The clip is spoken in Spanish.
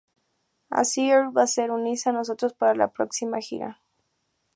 Así Earl va a ser unirse a nosotros para la próxima gira.